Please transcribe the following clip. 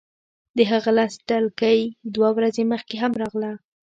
د هغه کس ډلګۍ دوه ورځې مخکې هم راغله